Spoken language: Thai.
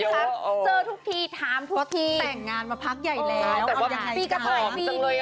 เจอทุกทีถามทุกทีแต่งงานมาพักใหญ่แล้วปีกับหลายปีเลย